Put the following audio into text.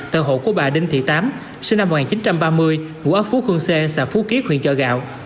tờ hộ của bà đinh thị tám sinh năm một nghìn chín trăm ba mươi ngũ ốc phú khương xê xã phú kiếp huyện trà gào